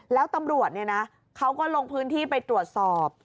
แล้วตำรวจเนี่ยนะเขาก็ลงพื้นที่ไปตรวจสอบ